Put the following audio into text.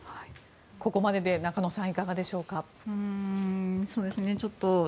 ここまでで中野さん、いかがでしょうか？